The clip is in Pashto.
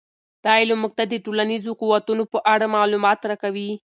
دا علم موږ ته د ټولنیزو قوتونو په اړه معلومات راکوي.